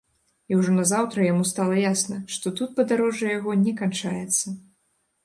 І ўжо назаўтра яму стала ясна, што тут падарожжа яго не канчаецца.